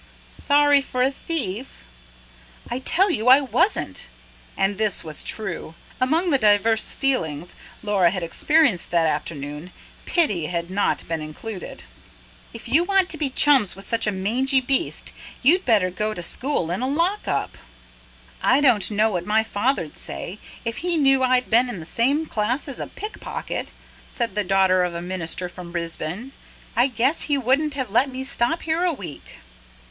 "Sorry for a thief?" "I tell you I WASN'T!" and this was true. Among the divers feelings Laura had experienced that afternoon, pity had not been included. "If you want to be chums with such a mangy beast, you'd better go to school in a lock up." "I don't know what my father'd say, if he knew I'd been in the same class as a pickpocket," said the daughter of a minister from Brisbane. "I guess he wouldn't have let me stop here a week."